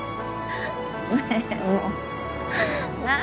ねえもうなんで？